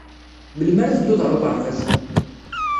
Melmi ara tedduḍ ɣer uɣerbaz?